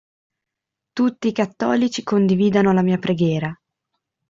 Tutti i cattolici condividano la mia preghiera.